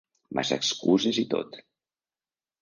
Massa excuses i tot.